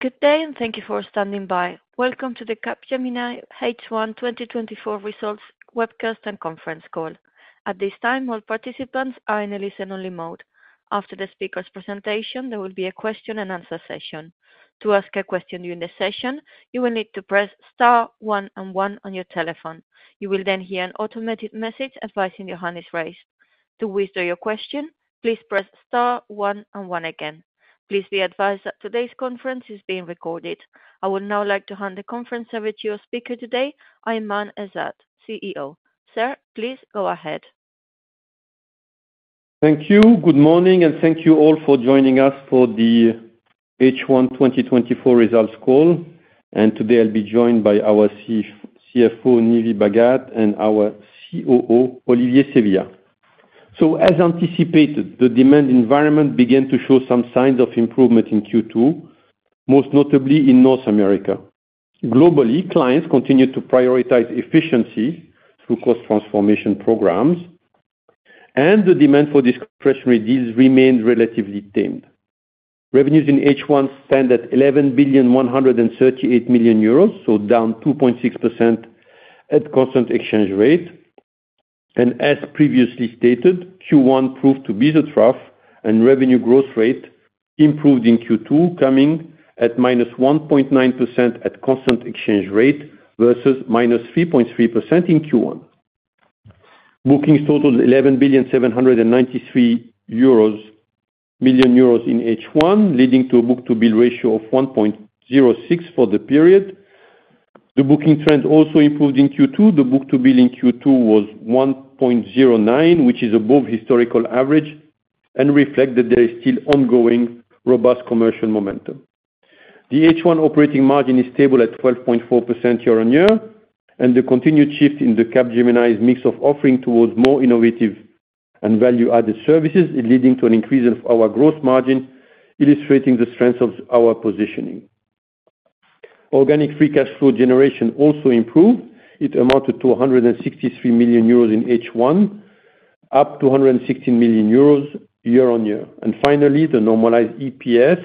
Good day, and thank you for standing by. Welcome to the Capgemini H1 2024 Results Webcast and Conference Call. At this time, all participants are in a listen-only mode. After the speaker's presentation, there will be a question-and-answer session. To ask a question during the session, you will need to press star one and one on your telephone. You will then hear an automated message advising your hand is raised. To withdraw your question, please press star one and one again. Please be advised that today's conference is being recorded. I would now like to hand the conference over to your speaker today, Aiman Ezzat, CEO. Sir, please go ahead. Thank you. Good morning, and thank you all for joining us for the H1 2024 results call. Today I'll be joined by our CFO, Nive Bhagat, and our COO, Olivier Sevillia. As anticipated, the demand environment began to show some signs of improvement in Q2, most notably in North America. Globally, clients continued to prioritize efficiency through cost transformation programs, and the demand for discretionary deals remained relatively tame. Revenues in H1 stand at 11,138 million euros, so down 2.6% at constant exchange rate. As previously stated, Q1 proved to be the trough, and revenue growth rate improved in Q2, coming at -1.9% at constant exchange rate versus -3.3% in Q1. Bookings totaled 11,793 million euros in H1, leading to a book-to-bill ratio of 1.06 for the period. The booking trend also improved in Q2. The book-to-bill in Q2 was 1.09, which is above historical average and reflect that there is still ongoing robust commercial momentum. The H1 operating margin is stable at 12.4% year-on-year, and the continued shift in the Capgemini's mix of offering towards more innovative and value-added services is leading to an increase of our gross margin, illustrating the strength of our positioning. Organic free cash flow generation also improved. It amounted to 163 million euros in H1, up to 116 million euros year-on-year. And finally, the normalized EPS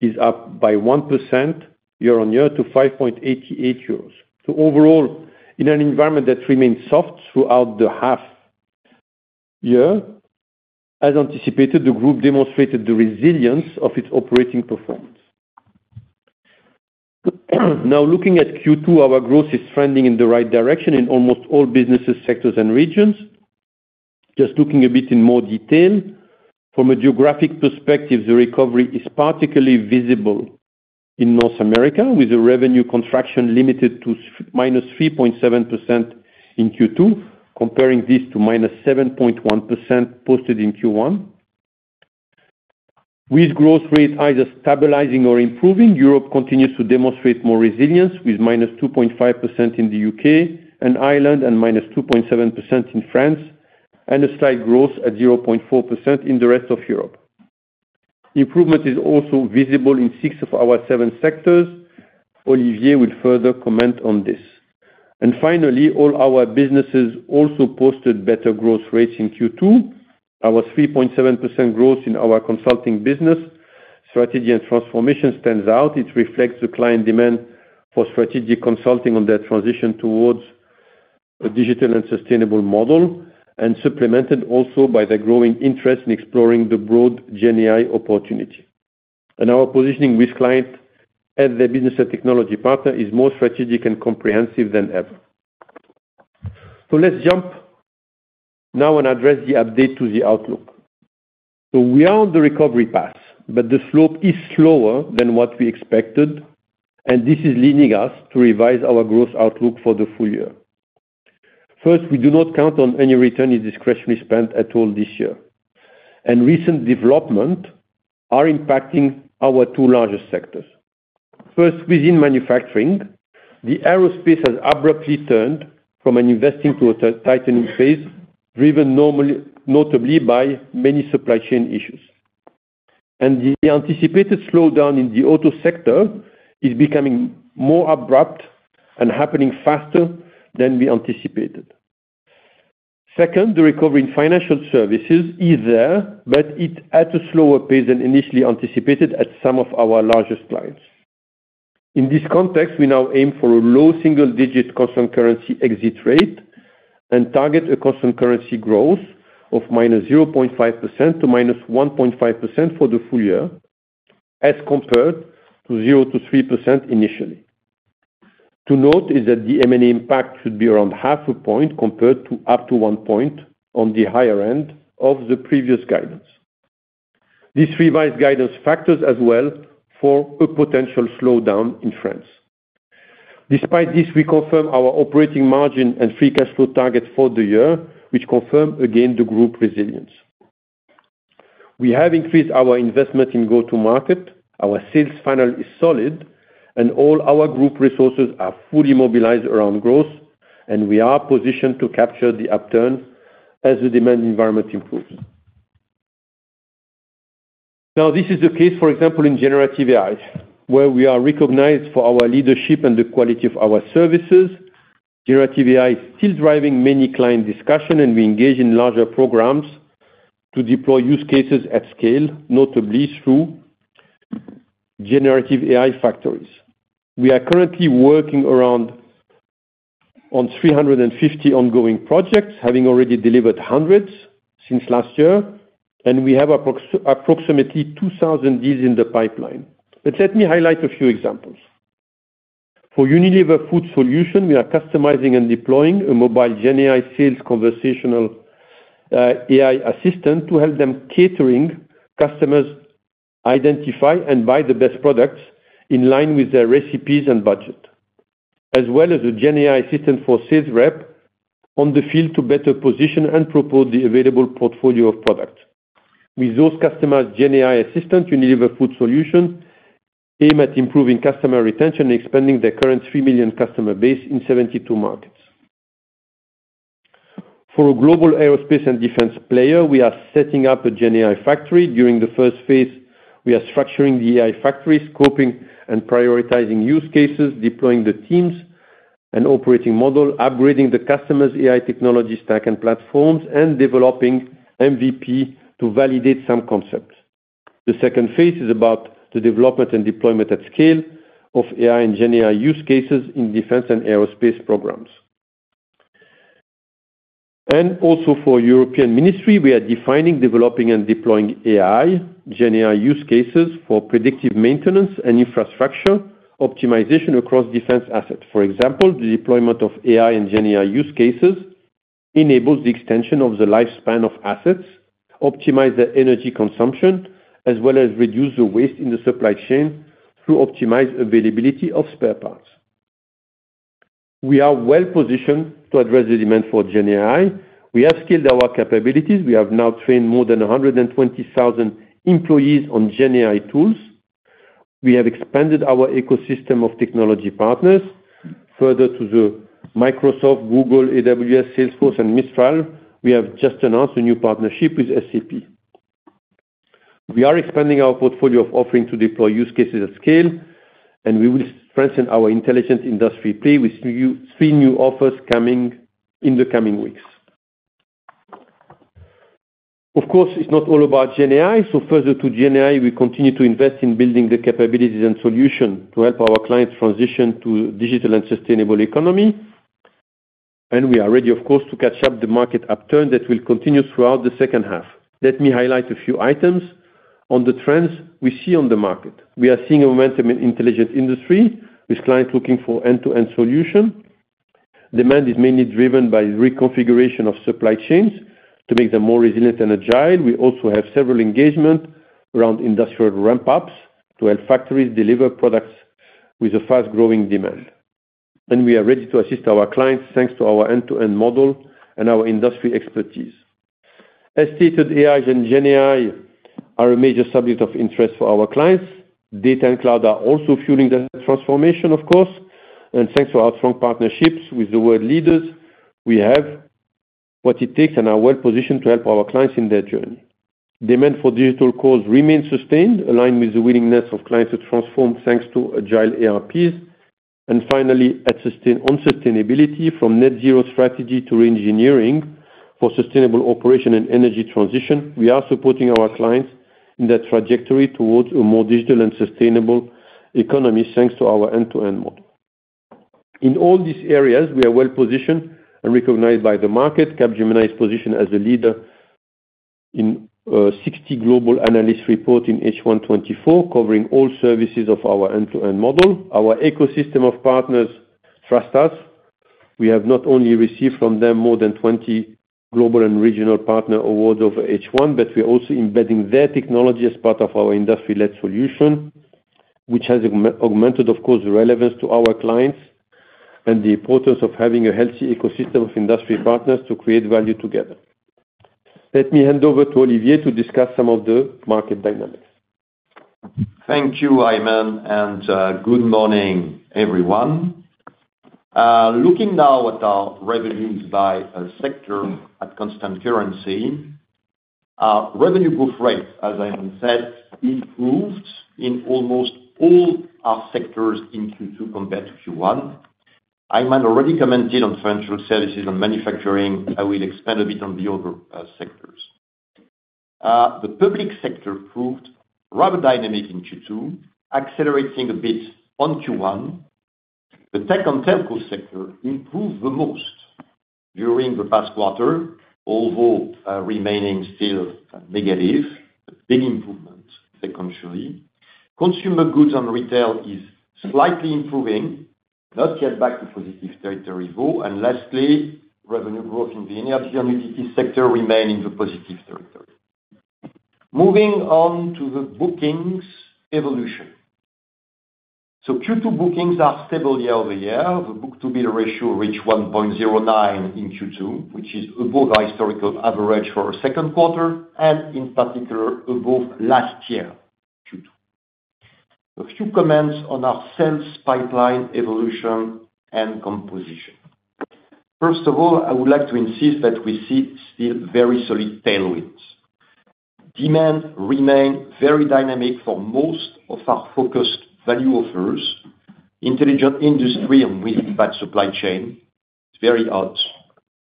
is up by 1% year-on-year to 5.8 euros. So overall, in an environment that remains soft throughout the half year, as anticipated, the group demonstrated the resilience of its operating performance. Now, looking at Q2, our growth is trending in the right direction in almost all businesses, sectors, and regions. Just looking a bit in more detail, from a geographic perspective, the recovery is particularly visible in North America, with a revenue contraction limited to minus 3.7% in Q2, comparing this to -7.1% posted in Q1. With growth rate either stabilizing or improving, Europe continues to demonstrate more resilience, with -2.5% in the UK and Ireland and -2.7% in France, and a slight growth at 0.4% in the Rest of Europe. Improvement is also visible in six of our seven sectors. Olivier will further comment on this. Finally, all our businesses also posted better growth rates in Q2. Our 3.7% growth in our consulting business, Strategy and Transformation, stands out. It reflects the client demand for strategic consulting on their transition towards a digital and sustainable model, and supplemented also by the growing interest in exploring the broad GenAI opportunity. Our positioning with clients as their business and technology partner is more strategic and comprehensive than ever. Let's jump now and address the update to the outlook. We are on the recovery path, but the slope is slower than what we expected, and this is leading us to revise our growth outlook for the full year. First, we do not count on any return in discretionary spend at all this year, and recent developments are impacting our two largest sectors. First, within manufacturing, the aerospace has abruptly turned from an investing to a tightening phase, driven normally, notably by many supply chain issues. The anticipated slowdown in the auto sector is becoming more abrupt and happening faster than we anticipated. Second, the recovery in financial services is there, but it's at a slower pace than initially anticipated at some of our largest clients. In this context, we now aim for a low single-digit constant currency exit rate and target a constant currency growth of -0.5% to -1.5% for the full year, as compared to 0%-3% initially. To note is that the M&A impact should be around 0.5 point compared to up to one point on the higher end of the previous guidance. This revised guidance factors as well for a potential slowdown in France. Despite this, we confirm our operating margin and free cash flow targets for the year, which confirm again the group resilience. We have increased our investment in go-to-market. Our sales funnel is solid, and all our group resources are fully mobilized around growth, and we are positioned to capture the upturn as the demand environment improves. Now, this is the case, for example, in generative AI, where we are recognized for our leadership and the quality of our services. Generative AI is still driving many client discussion, and we engage in larger programs to deploy use cases at scale, notably through generative AI factories. We are currently working on 350 ongoing projects, having already delivered hundreds since last year, and we have approximately 2,000 deals in the pipeline. But let me highlight a few examples. For Unilever Food Solutions, we are customizing and deploying a mobile GenAI sales conversational AI assistant to help them catering customers identify and buy the best products in line with their recipes and budget, as well as a GenAI assistant for sales rep on the field to better position and propose the available portfolio of products. With those customized GenAI assistant, Unilever Food Solutions aim at improving customer retention and expanding their current 3 million customer base in 72 markets. For a global aerospace and defense player, we are setting up a GenAI factory. During the first phase, we are structuring the AI factory, scoping and prioritizing use cases, deploying the teams and operating model, upgrading the customer's AI technology stack and platforms, and developing MVP to validate some concepts. The second phase is about the development and deployment at scale of AI and GenAI use cases in defense and aerospace programs. Also for European Ministry, we are defining, developing and deploying AI, GenAI use cases for predictive maintenance and infrastructure optimization across defense assets. For example, the deployment of AI and GenAI use cases enables the extension of the lifespan of assets, optimize their energy consumption, as well as reduce the waste in the supply chain through optimized availability of spare parts. We are well positioned to address the demand for GenAI. We have scaled our capabilities. We have now trained more than 120,000 employees on GenAI tools. We have expanded our ecosystem of technology partners. Further to the Microsoft, Google, AWS, Salesforce, and Mistral, we have just announced a new partnership with SAP. We are expanding our portfolio of offerings to deploy use cases at scale, and we will strengthen our Intelligent Industry play with three new offers coming in the coming weeks. Of course, it's not all about GenAI. Further to GenAI, we continue to invest in building the capabilities and solutions to help our clients transition to digital and sustainable economy. We are ready, of course, to catch up the market upturn that will continue throughout the second half. Let me highlight a few items on the trends we see on the market. We are seeing a momentum in Intelligent Industry, with clients looking for end-to-end solution. Demand is mainly driven by reconfiguration of supply chains to make them more resilient and agile. We also have several engagements around industrial ramp-ups to help factories deliver products with a fast-growing demand. We are ready to assist our clients, thanks to our end-to-end model and our industry expertise. As stated, AI and GenAI are a major subject of interest for our clients. Data and cloud are also fueling the transformation, of course, and thanks to our strong partnerships with the world leaders, we have what it takes and are well positioned to help our clients in their journey. Demand for digital cores remains sustained, aligned with the willingness of clients to transform, thanks to agile ERPs. And finally, on sustainability, from net zero strategy to reengineering for sustainable operation and energy transition, we are supporting our clients in their trajectory towards a more digital and sustainable economy, thanks to our end-to-end model. In all these areas, we are well positioned and recognized by the market. Capgemini is positioned as a leader in 60 global analyst reports in H1 2024, covering all services of our end-to-end model. Our ecosystem of partners trust us. We have not only received from them more than 20 global and regional partner awards over H1, but we are also embedding their technology as part of our industry-led solution, which has augmented, of course, the relevance to our clients and the importance of having a healthy ecosystem of industry partners to create value together. Let me hand over to Olivier to discuss some of the market dynamics. Thank you, Aiman, and, good morning, everyone. Looking now at our revenues by sector at constant currency, revenue growth rate, as Aiman said, improved in almost all our sectors in Q2 compared to Q1. Aiman already commented on financial services and manufacturing. I will expand a bit on the other sectors. The public sector proved rather dynamic in Q2, accelerating a bit on Q1. The tech and telco sector improved the most during the past quarter, although, remaining still negative, but big improvement secondarily. Consumer goods and retail is slightly improving, not yet back to positive territory though. And lastly, revenue growth in the energy and utilities sector remain in the positive territory. Moving on to the bookings evolution. So Q2 bookings are stable year-over-year. The book-to-bill ratio reached 1.09 in Q2, which is above our historical average for our second quarter, and in particular, above last year, Q2. A few comments on our sales pipeline evolution and composition. First of all, I would like to insist that we see still very solid tailwinds. Demand remain very dynamic for most of our focused value offers.... Intelligent Industry and with that supply chain, it's very hot.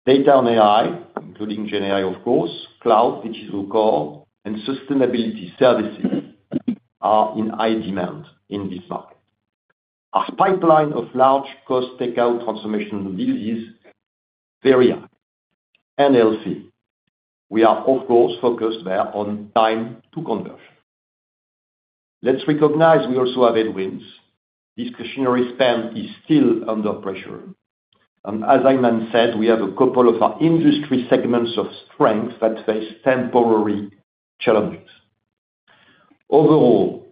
Data and AI, including GenAI, of course, cloud, which is core, and sustainability services are in high demand in this market. Our pipeline of large cost takeout transformation deals is very high and healthy. We are, of course, focused there on time to conversion. Let's recognize we also have headwinds. Discretionary spend is still under pressure, and as Aiman said, we have a couple of our industry segments of strength that face temporary challenges. Overall,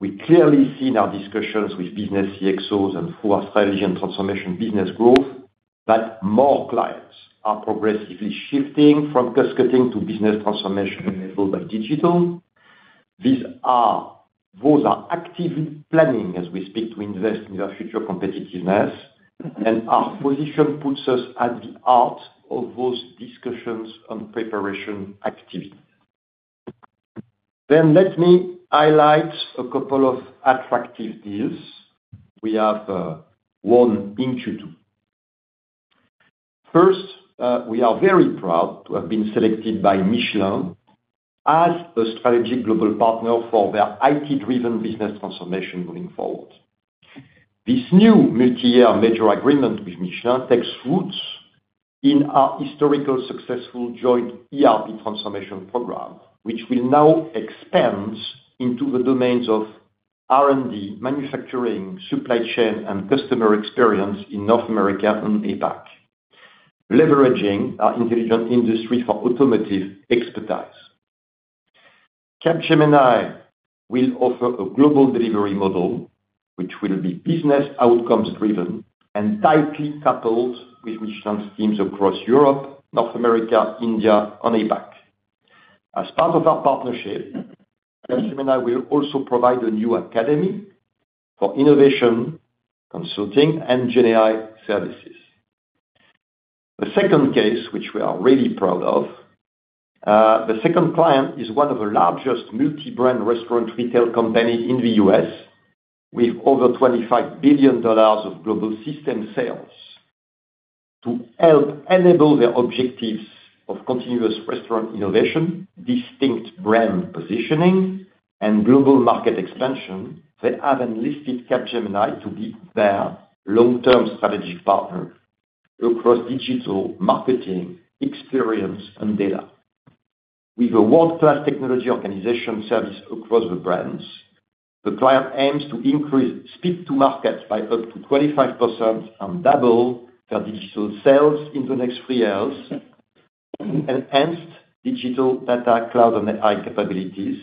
we clearly see in our discussions with business CXOs and through our strategy and transformation business growth, that more clients are progressively shifting from cost-cutting to business transformation enabled by digital. Those are actively planning, as we speak, to invest in their future competitiveness, and our position puts us at the heart of those discussions and preparation activities. Let me highlight a couple of attractive deals we have won in Q2. First, we are very proud to have been selected by Michelin as a strategic global partner for their IT-driven business transformation moving forward. This new multi-year major agreement with Michelin takes roots in our historical, successful joint ERP transformation program, which will now expand into the domains of R&D, manufacturing, supply chain, and customer experience in North America and APAC, leveraging our Intelligent Industry for automotive expertise. Capgemini will offer a global delivery model, which will be business outcomes driven and tightly coupled with Michelin's teams across Europe, North America, India, and APAC. As part of our partnership, Capgemini will also provide a new academy for innovation, consulting, and GenAI services. The second case, which we are really proud of, the second client is one of the largest multi-brand restaurant retail company in the U.S., with over $25 billion of global system sales. To help enable their objectives of continuous restaurant innovation, distinct brand positioning, and global market expansion, they have enlisted Capgemini to be their long-term strategic partner across digital, marketing, experience, and data. With a world-class technology organization service across the brands, the client aims to increase speed to market by up to 25% and double their digital sales in the next three years, enhance digital data, cloud, and AI capabilities,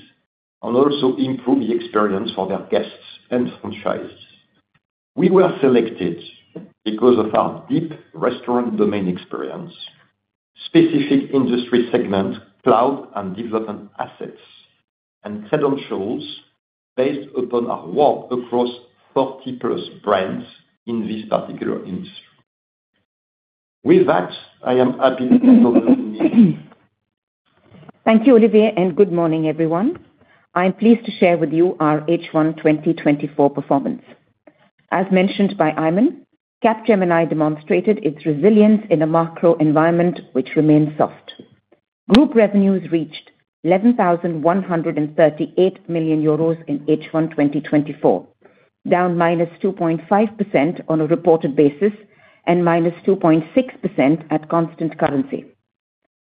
and also improve the experience for their guests and franchisees. We were selected because of our deep restaurant domain experience, specific industry segment, cloud, and development assets, and credentials based upon our work across 40+ brands in this particular industry. With that, I am happy to hand over to Nive. Thank you, Olivier, and good morning, everyone. I am pleased to share with you our H1 2024 performance. As mentioned by Aiman, Capgemini demonstrated its resilience in a macro environment which remains soft. Group revenues reached 11,138 million euros in H1 2024, down -2.5% on a reported basis and -2.6% at constant currency.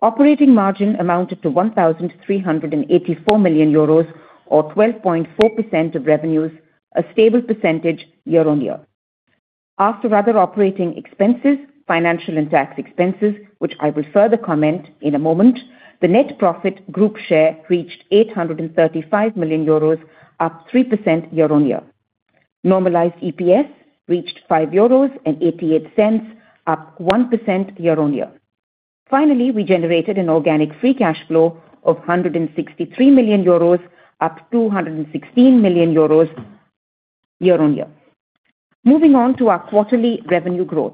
Operating margin amounted to 1,384 million euros or 12.4% of revenues, a stable percentage year-on-year. After other operating expenses, financial and tax expenses, which I will further comment in a moment, the net profit group share reached 835 million euros, up 3% year-on-year. Normalized EPS reached 5.88 euros, up 1% year-on-year. Finally, we generated an organic free cash flow of 163 million euros, up to 216 million euros year-on-year. Moving on to our quarterly revenue growth.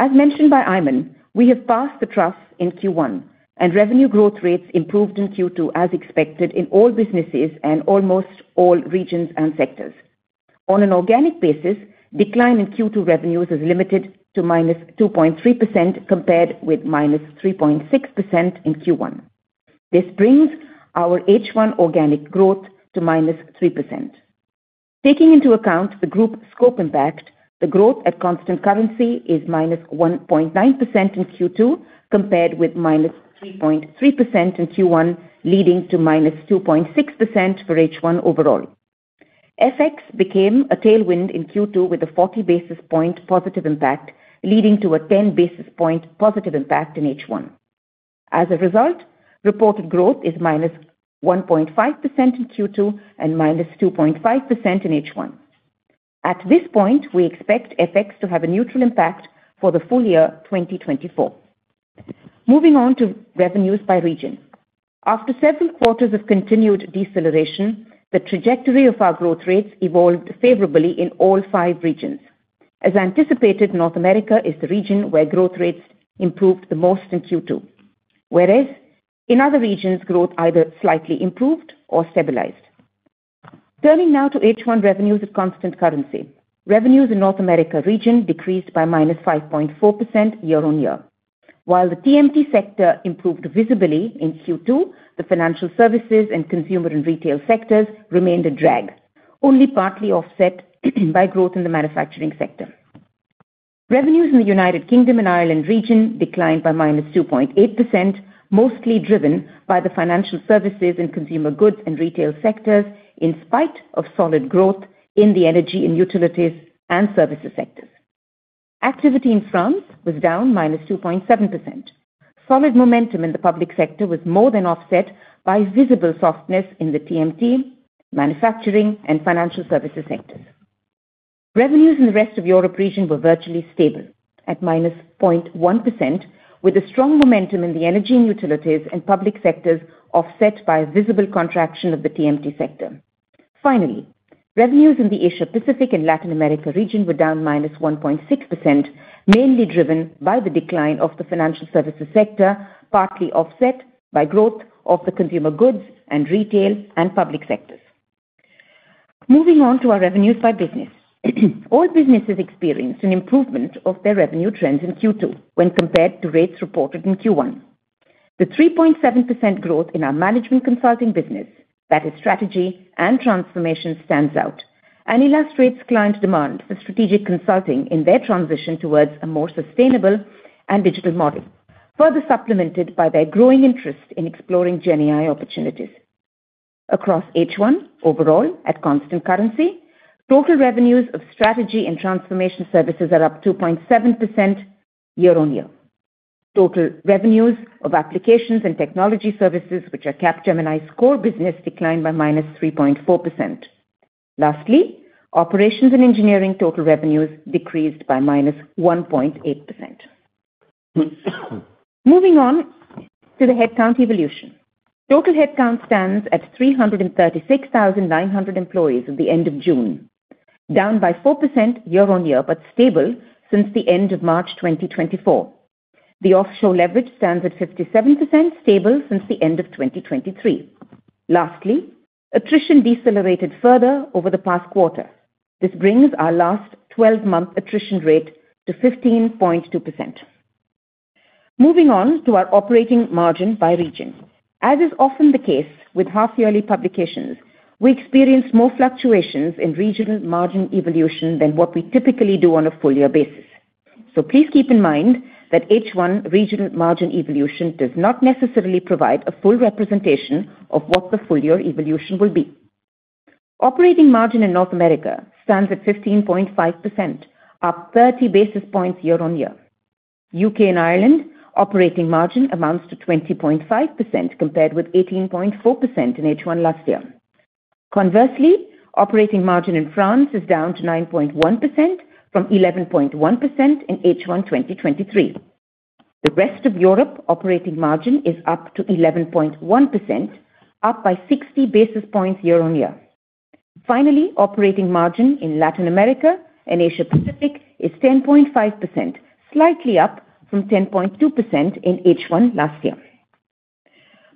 As mentioned by Aiman, we have passed the trough in Q1, and revenue growth rates improved in Q2 as expected in all businesses and almost all regions and sectors. On an organic basis, decline in Q2 revenues is limited to -2.3%, compared with -3.6% in Q1. This brings our H1 organic growth to -3%. Taking into headcount the group scope impact, the growth at constant currency is -1.9% in Q2, compared with -3.3% in Q1, leading to -2.6% for H1 overall. FX became a tailwind in Q2 with a 40 basis point positive impact, leading to a 10 basis point positive impact in H1. As a result, reported growth is -1.5% in Q2 and -2.5% in H1. At this point, we expect FX to have a neutral impact for the full year 2024. Moving on to revenues by region. After several quarters of continued deceleration, the trajectory of our growth rates evolved favorably in all five regions. As anticipated, North America is the region where growth rates improved the most in Q2, whereas in other regions, growth either slightly improved or stabilized. Turning now to H1 revenues at constant currency. Revenues in North America region decreased by -5.4% year-on-year. While the TMT sector improved visibly in Q2, the financial services and consumer and retail sectors remained a drag, only partly offset by growth in the manufacturing sector. Revenues in the United Kingdom and Ireland region declined by -2.8%, mostly driven by the financial services and consumer goods and retail sectors, in spite of solid growth in the energy and utilities and services sectors. Activity in France was down -2.7%. Solid momentum in the public sector was more than offset by visible softness in the TMT, manufacturing, and financial services sectors. Revenues in the rest of Europe region were virtually stable at -0.1%, with a strong momentum in the energy and utilities and public sectors, offset by a visible contraction of the TMT sector. Finally, revenues in the Asia Pacific and Latin America region were down -1.6%, mainly driven by the decline of the financial services sector, partly offset by growth of the consumer goods and retail and public sectors. Moving on to our revenues by business. All businesses experienced an improvement of their revenue trends in Q2 when compared to rates reported in Q1. The 3.7% growth in our management consulting business, that is strategy and transformation, stands out and illustrates client demand for strategic consulting in their transition towards a more sustainable and digital model, further supplemented by their growing interest in exploring GenAI opportunities. Across H1, overall, at constant currency, total revenues of strategy and transformation services are up 2.7% year-on-year. Total revenues of Applications and Technology services, which are Capgemini's core business, declined by -3.4%. Lastly, Operations and Engineering total revenues decreased by -1.8%. Moving on to the headcount evolution. Total headcount stands at 336,900 employees at the end of June, down by 4% year-on-year, but stable since the end of March 2024. The offshore leverage stands at 57%, stable since the end of 2023. Lastly, attrition decelerated further over the past quarter. This brings our last twelve-month attrition rate to 15.2%. Moving on to our operating margin by region. As is often the case with half-yearly publications, we experience more fluctuations in regional margin evolution than what we typically do on a full year basis. So please keep in mind that H1 regional margin evolution does not necessarily provide a full representation of what the full year evolution will be. Operating margin in North America stands at 15.5%, up 30 basis points year-on-year. UK and Ireland, operating margin amounts to 20.5%, compared with 18.4% in H1 last year. Conversely, operating margin in France is down to 9.1% from 11.1% in H1 2023. The rest of Europe operating margin is up to 11.1%, up by 60 basis points year-on-year. Finally, operating margin in Latin America and Asia Pacific is 10.5%, slightly up from 10.2% in H1 last year.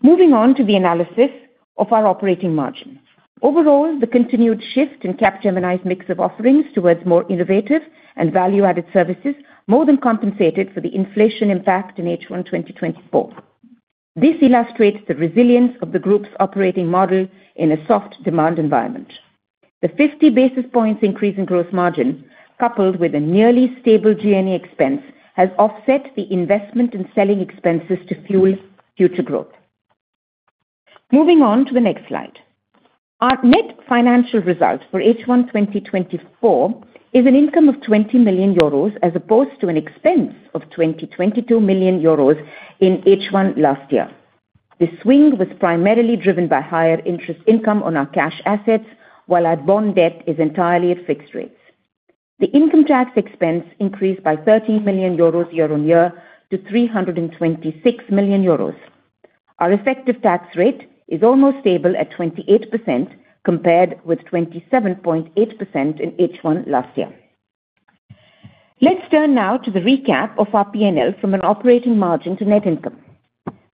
Moving on to the analysis of our operating margin. Overall, the continued shift in Capgemini's mix of offerings towards more innovative and value-added services more than compensated for the inflation impact in H1 2024. This illustrates the resilience of the group's operating model in a soft demand environment. The 50 basis points increase in gross margin, coupled with a nearly stable G&A expense, has offset the investment in selling expenses to fuel future growth. Moving on to the next slide. Our net financial results for H1 2024 is an income of 20 million euros, as opposed to an expense of 22 million euros in H1 last year. This swing was primarily driven by higher interest income on our cash assets, while our bond debt is entirely at fixed rates. The income tax expense increased by 13 million euros year-on-year to 326 million euros. Our effective tax rate is almost stable at 28%, compared with 27.8% in H1 last year. Let's turn now to the recap of our P&L from an operating margin to net income.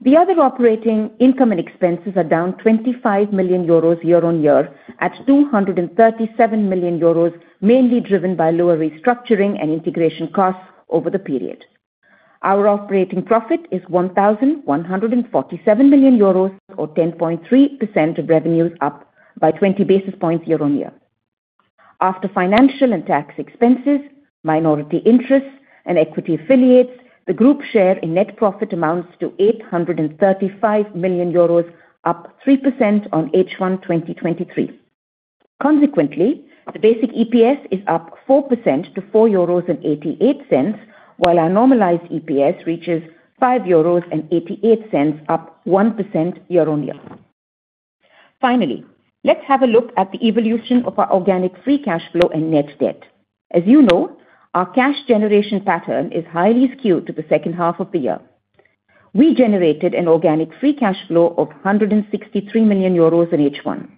The other operating income and expenses are down 25 million euros year-on-year, at 237 million euros, mainly driven by lower restructuring and integration costs over the period. Our operating profit is 1,147 million euros, or 10.3% of revenues, up by 20 basis points year-on-year. After financial and tax expenses, minority interests, and equity affiliates, the group share in net profit amounts to 835 million euros, up 3% on H1 2023. Consequently, the basic EPS is up 4% to 4.88 euros, while our normalized EPS reaches 5.88 euros, up 1% year-on-year. Finally, let's have a look at the evolution of our organic free cash flow and net debt. As you know, our cash generation pattern is highly skewed to the second half of the year.... We generated an organic free cash flow of 163 million euros in H1.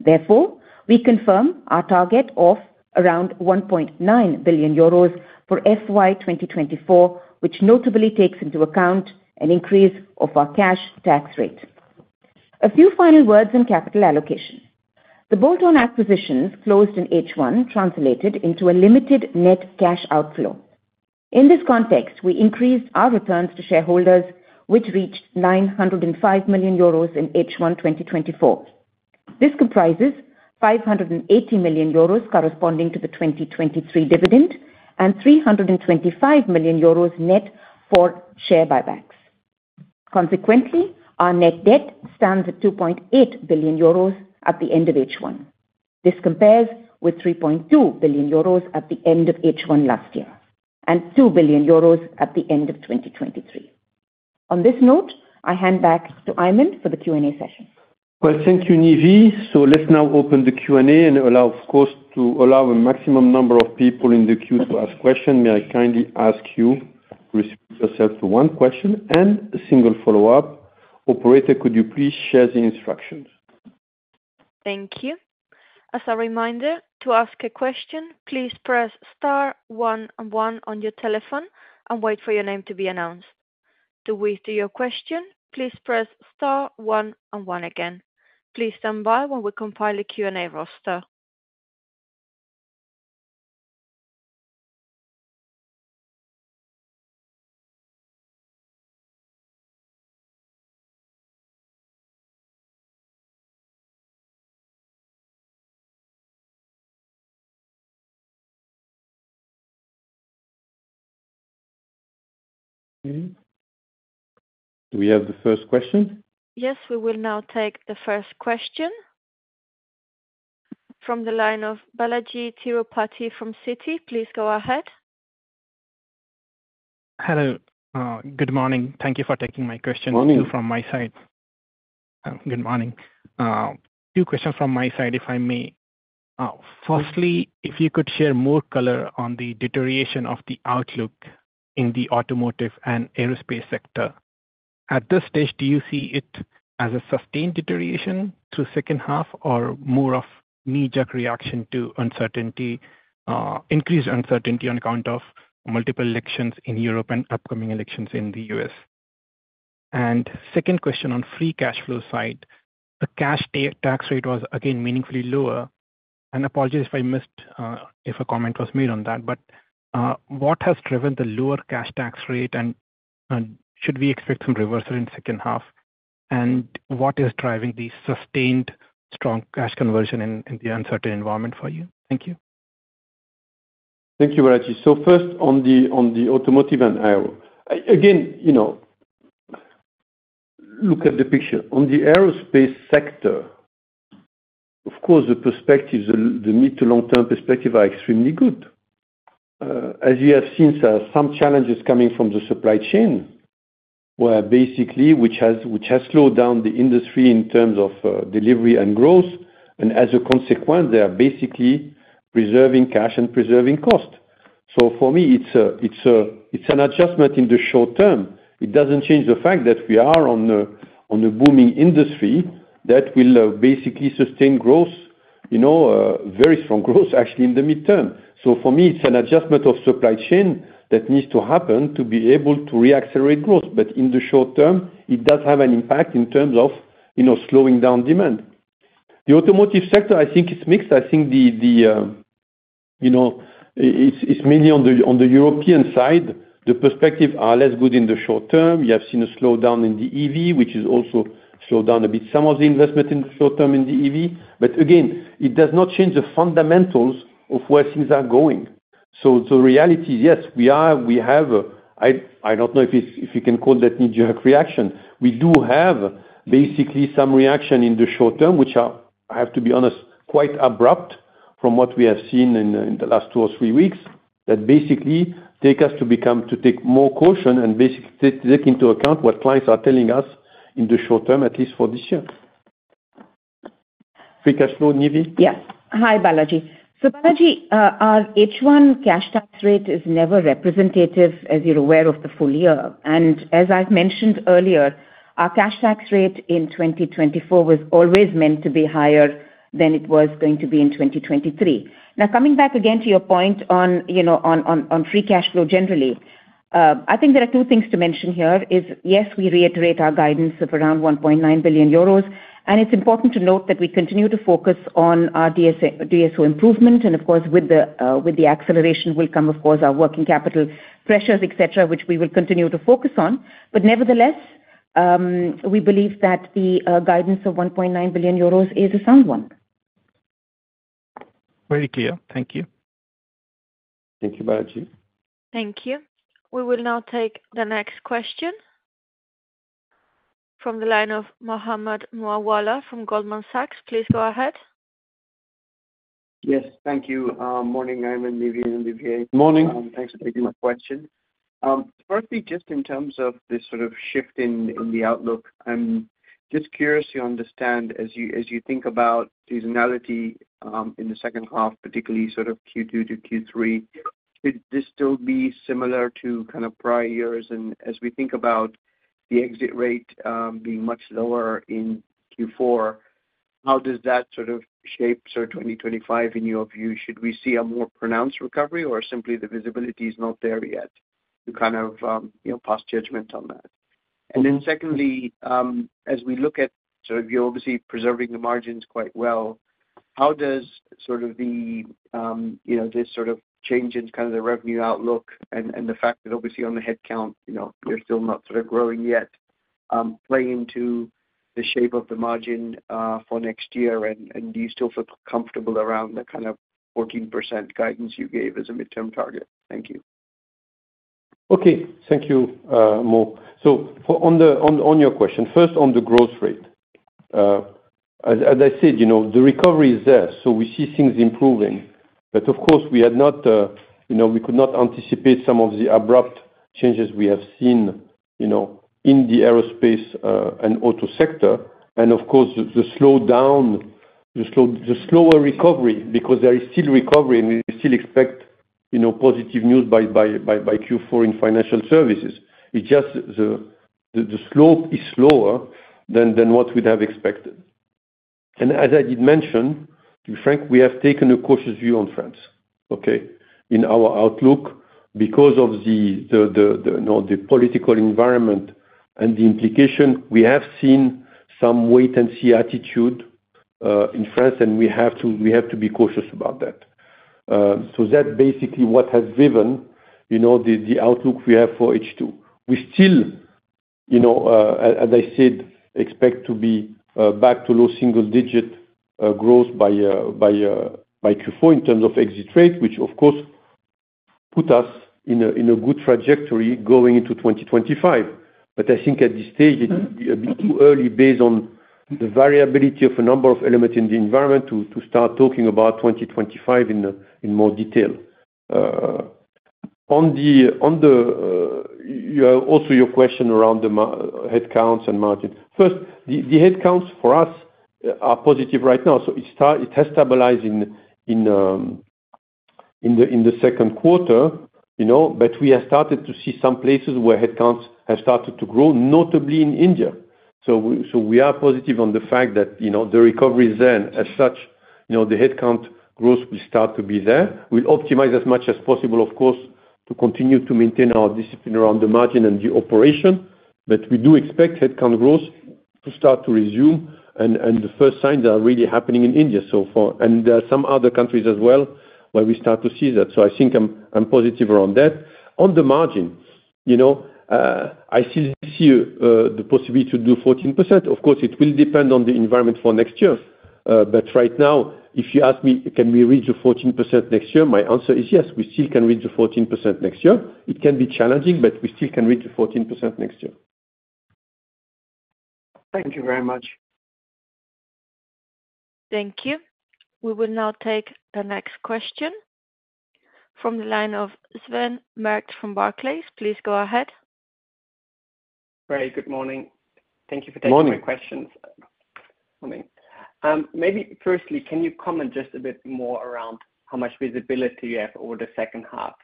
Therefore, we confirm our target of around 1.9 billion euros for FY 2024, which notably takes into account an increase of our cash tax rate. A few final words on capital allocation. The bolt-on acquisitions closed in H1 translated into a limited net cash outflow. In this context, we increased our returns to shareholders, which reached 905 million euros in H1 2024. This comprises 580 million euros, corresponding to the 2023 dividend, and 325 million euros net for share buybacks. Consequently, our net debt stands at 2.8 billion euros at the end of H1. This compares with 3.2 billion euros at the end of H1 last year, and 2 billion euros at the end of 2023. On this note, I hand back to Aiman for the Q&A session. Well, thank you, Nive. So let's now open the Q&A, and allow, of course, to allow a maximum number of people in the queue to ask question. May I kindly ask you to restrict yourself to one question and a single follow-up? Operator, could you please share the instructions? Thank you. As a reminder, to ask a question, please press star one, one on your telephone and wait for your name to be announced. To withdraw your question, please press star one and one again. Please stand by while we compile a Q&A roster. Okay. Do we have the first question? Yes, we will now take the first question from the line of Balaji Thiru from Citi. Please go ahead. Hello. Good morning. Thank you for taking my question- Morning! From my side. Good morning. Two questions from my side, if I may. Firstly, if you could share more color on the deterioration of the outlook in the automotive and aerospace sector. At this stage, do you see it as a sustained deterioration through second half or more of knee-jerk reaction to uncertainty, increased uncertainty on account of multiple elections in Europe and upcoming elections in the U.S.? And second question, on free cash flow side, the cash tax rate was again meaningfully lower, and apologies if I missed, if a comment was made on that, but, what has driven the lower cash tax rate, and, and should we expect some reversal in second half? And what is driving the sustained strong cash conversion in, in the uncertain environment for you? Thank you. Thank you, Balaji. So first, on the automotive and aero. Again, you know, look at the picture. On the aerospace sector, of course, the perspectives, the mid- to long-term perspective are extremely good. As you have seen, there are some challenges coming from the supply chain, where basically which has slowed down the industry in terms of delivery and growth, and as a consequence, they are basically preserving cash and preserving cost. So for me, it's an adjustment in the short term. It doesn't change the fact that we are on a booming industry that will basically sustain growth, you know, very strong growth, actually, in the mid-term. So for me, it's an adjustment of supply chain that needs to happen to be able to re-accelerate growth. But in the short term, it does have an impact in terms of, you know, slowing down demand. The automotive sector, I think, is mixed. I think you know, it's mainly on the, on the European side, the perspective are less good in the short term. We have seen a slowdown in the EV, which has also slowed down a bit some of the investment in the short term in the EV. But again, it does not change the fundamentals of where things are going. So reality, yes, we have a-- I don't know if you can call that knee-jerk reaction. We do have basically some reaction in the short term, which are, I have to be honest, quite abrupt from what we have seen in the last two or three weeks. That basically takes us to take more caution and basically take into account what clients are telling us in the short term, at least for this year. Free cash flow, Nive? Yes. Hi, Balaji. So, Balaji, our H1 cash tax rate is never representative, as you're aware, of the full year. And as I've mentioned earlier, our cash tax rate in 2024 was always meant to be higher than it was going to be in 2023. Now, coming back again to your point on, you know, free cash flow generally, I think there are two things to mention here, is yes, we reiterate our guidance of around 1.9 billion euros, and it's important to note that we continue to focus on our DSO improvement, and of course, with the acceleration will come, of course, our working capital pressures, et cetera, which we will continue to focus on. But nevertheless, we believe that the guidance of around 1.9 billion euros is a sound one. Very clear. Thank you. Thank you, Balaji. Thank you. We will now take the next question from the line of Mohammed Moawalla from Goldman Sachs. Please go ahead. Yes, thank you. Morning, Aiman, Nive, and Olivier. Morning. Thanks for taking my question. Firstly, just in terms of this sort of shift in the outlook, I'm just curious to understand, as you think about seasonality in the second half, particularly sort of Q2 to Q3... Should this still be similar to kind of prior years? And as we think about the exit rate being much lower in Q4, how does that sort of shape 2025 in your view? Should we see a more pronounced recovery, or simply the visibility is not there yet to kind of you know, pass judgment on that? And then secondly, as we look at, so you're obviously preserving the margins quite well, how does sort of the, you know, this sort of change in kind of the revenue outlook and, and the fact that obviously on the headcount, you know, you're still not sort of growing yet, play into the shape of the margin, for next year, and, and do you still feel comfortable around the kind of 14% guidance you gave as a midterm target? Thank you. Okay. Thank you, Mo. So on your question, first, on the growth rate, as I said, you know, the recovery is there, so we see things improving, but of course, we had not, you know, we could not anticipate some of the abrupt changes we have seen, you know, in the aerospace and auto sector. And of course, the slowdown, the slower recovery, because there is still recovery, and we still expect, you know, positive news by Q4 in financial services. It's just the slope is slower than what we'd have expected. And as I did mention to Frank, we have taken a cautious view on France, okay? In our outlook, because of the you know, the political environment and the implication, we have seen some wait-and-see attitude in France, and we have to be cautious about that. So that basically what has driven you know, the outlook we have for H2. We still you know, as I said, expect to be back to low single digit growth by Q4 in terms of exit rate, which of course put us in a good trajectory going into 2025. But I think at this stage, it be too early based on the variability of a number of elements in the environment to start talking about 2025 in more detail. On your question around the headcounts and margins. First, the headcounts for us are positive right now, so it has stabilized in the second quarter, you know, but we have started to see some places where headcounts have started to grow, notably in India. So we are positive on the fact that, you know, the recovery is there. As such, you know, the headcount growth will start to be there. We optimize as much as possible, of course, to continue to maintain our discipline around the margin and the operation, but we do expect headcount growth to start to resume, and the first signs are really happening in India so far, and there are some other countries as well, where we start to see that. So I think I'm positive around that. On the margin, you know, I still see the possibility to do 14%. Of course, it will depend on the environment for next year. But right now, if you ask me, can we reach the 14% next year? My answer is yes, we still can reach the 14% next year. It can be challenging, but we still can reach the 14% next year. Thank you very much. Thank you. We will now take the next question from the line of Sven Merkt from Barclays. Please go ahead. Very good morning. Thank you for taking- Morning My questions. Morning. Maybe firstly, can you comment just a bit more around how much visibility you have over the second half,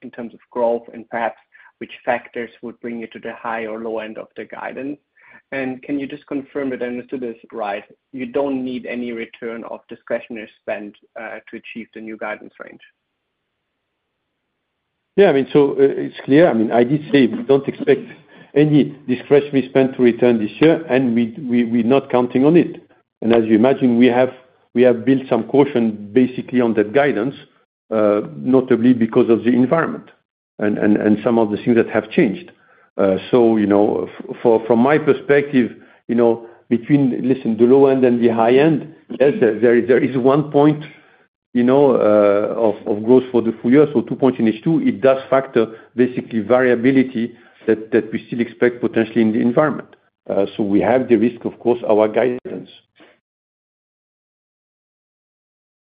in terms of growth, and perhaps which factors would bring you to the high or low end of the guidance? And can you just confirm that I understood this right, you don't need any return of discretionary spend, to achieve the new guidance range? Yeah, I mean, it's clear. I mean, I did say we don't expect any discretionary spend to return this year, and we're not counting on it. And as you imagine, we have built some caution basically on that guidance, notably because of the environment and some of the things that have changed. So, you know, from my perspective, you know, between, listen, the low end and the high end, yes, there is 1 point, you know, of growth for the full year, so 2 points in H2, it does factor basically variability that we still expect potentially in the environment. So we have the risk, of course, our guidance.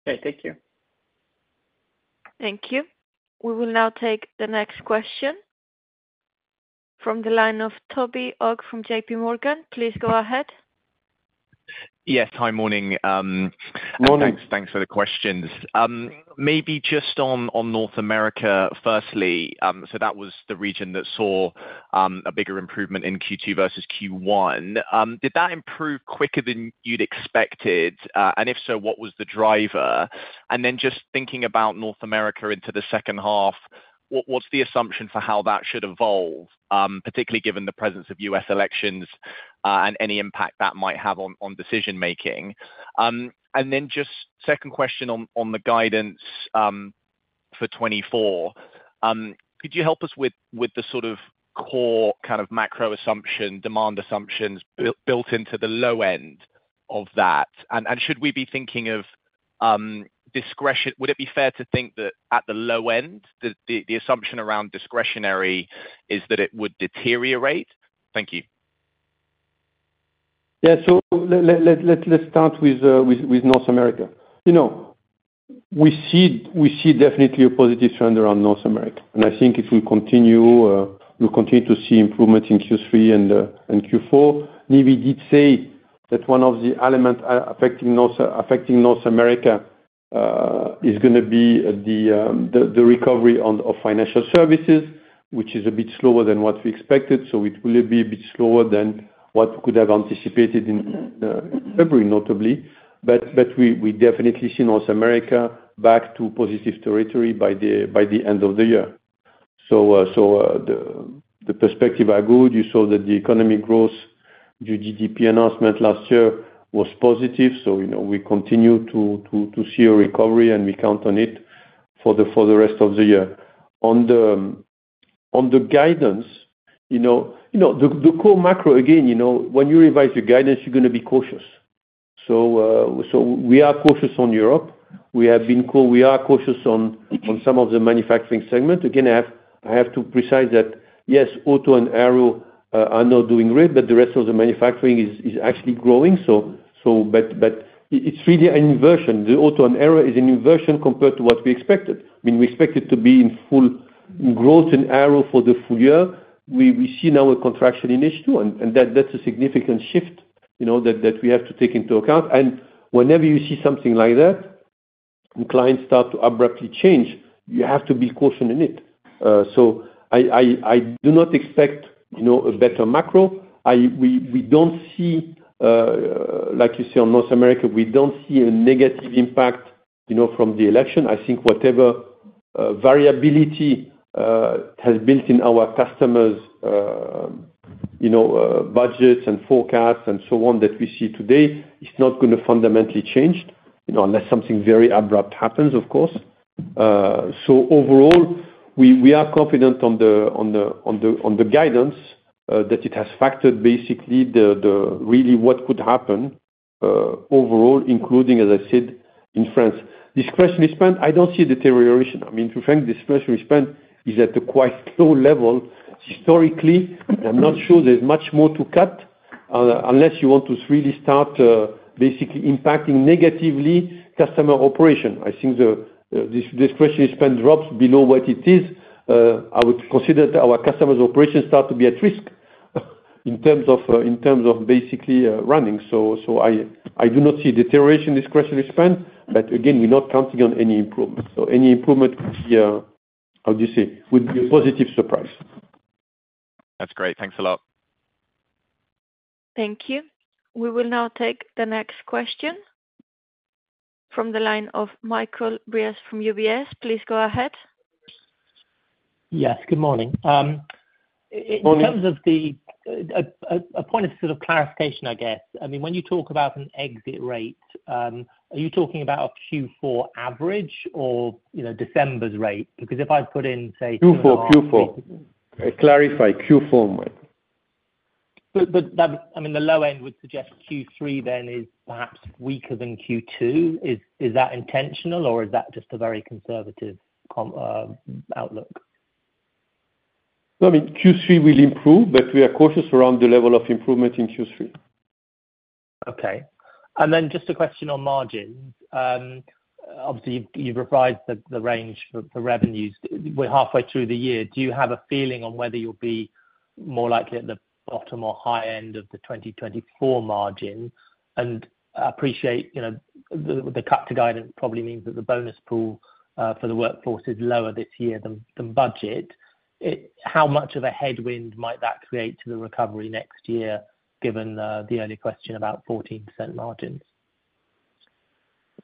Okay, thank you. Thank you. We will now take the next question from the line of Toby Ogg from J.P. Morgan. Please go ahead. Yes. Hi, morning, Morning. Thanks. Thanks for the questions. Maybe just on North America, firstly, so that was the region that saw a bigger improvement in Q2 versus Q1. Did that improve quicker than you'd expect? And if so, what was the driver? And then just thinking about North America into the second half, what's the assumption for how that should evolve, particularly given the presence of US elections, and any impact that might have on decision-making? And then just second question on the guidance for 2024. Could you help us with the sort of core kind of macro assumption, demand assumptions built into the low end of that? And should we be thinking of discretion... Would it be fair to think that at the low end, the assumption around discretionary is that it would deteriorate? Thank you. Yeah. So let's start with North America. You know, we see definitely a positive trend around North America, and I think if we continue, we'll continue to see improvement in Q3 and Q4. Maybe I did say that one of the element affecting North America is gonna be the recovery of financial services, which is a bit slower than what we expected, so it will be a bit slower than what could have anticipated in February, notably. But we definitely see North America back to positive territory by the end of the year. So the perspective are good. You saw that the economic growth, the GDP announcement last year was positive. So, you know, we continue to see a recovery, and we count on it for the rest of the year. On the guidance, you know, the core macro, again, you know, when you revise your guidance, you're gonna be cautious. So, we are cautious on Europe. We have been cautious. We are cautious on some of the manufacturing segment. Again, I have to precise that, yes, auto and aero are not doing great, but the rest of the manufacturing is actually growing, so but it's really an inversion. The auto and aero is an inversion compared to what we expected. I mean, we expect it to be in full growth in aero for the full year. We see now a contraction in H2, and that's a significant shift, you know, that we have to take into account. Whenever you see something like that, and clients start to abruptly change, you have to be cautious in it. So I do not expect, you know, a better macro. We don't see, like you see on North America, we don't see a negative impact, you know, from the election. I think whatever variability has built in our customers', you know, budgets and forecasts and so on, that we see today, is not gonna fundamentally change, you know, unless something very abrupt happens, of course. So overall, we are confident on the guidance that it has factored basically the really what could happen overall, including, as I said, in France. Discretionary spend, I don't see deterioration. I mean, to be frank, discretionary spend is at a quite low level. Historically, I'm not sure there's much more to cut, unless you want to really start basically impacting negatively customer operation. I think this discretionary spend drops below what it is, I would consider that our customers' operations start to be at risk, in terms of basically running. So I do not see deterioration in discretionary spend, but again, we're not counting on any improvement. So any improvement would be, how do you say, would be a positive surprise. That's great. Thanks a lot. Thank you. We will now take the next question from the line of Michael Briest from UBS. Please go ahead. Yes, good morning. Morning. In terms of a point of sort of clarification, I guess. I mean, when you talk about an exit rate, are you talking about a Q4 average or, you know, December's rate? Because if I put in, say, Q4- Q4, Q4. I clarify, Q4, Michael. But that, I mean, the low end would suggest Q3 then is perhaps weaker than Q2. Is that intentional or is that just a very conservative outlook? No, I mean, Q3 will improve, but we are cautious around the level of improvement in Q3. Okay. And then just a question on margins. Obviously, you've revised the range for revenues. We're halfway through the year, do you have a feeling on whether you'll be more likely at the bottom or high end of the 2024 margin? And I appreciate, you know, the cut to guidance probably means that the bonus pool for the workforce is lower this year than budget. How much of a headwind might that create to the recovery next year, given the early question about 14% margins?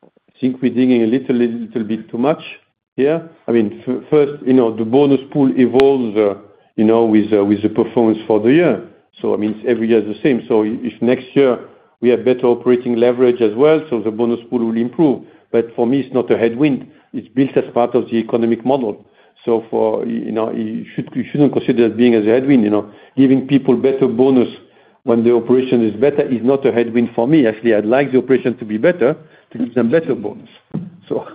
I think we're digging a little, little bit too much here. I mean, first, you know, the bonus pool evolves, you know, with, with the performance for the year, so I mean, every year is the same. So if next year we have better operating leverage as well, so the bonus pool will improve. But for me, it's not a headwind, it's built as part of the economic model. So for, you know, you should, you shouldn't consider it being as a headwind, you know. Giving people better bonus when the operation is better, is not a headwind for me. Actually, I'd like the operation to be better, to give them better bonus. So